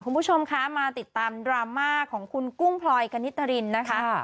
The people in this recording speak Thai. คุณผู้ชมคะมาติดตามดราม่าของคุณกุ้งพลอยกณิตรินนะคะ